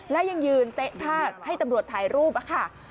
แล้วยังยืนเต๊ะท่าให้ตำรวจถ่ายรูปค่ะ